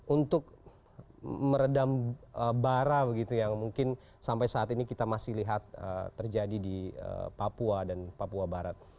untuk meredam bara begitu yang mungkin sampai saat ini kita masih lihat terjadi di papua dan papua barat